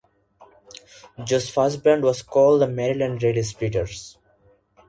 Joe's first band was called the Maryland Rail Splitters.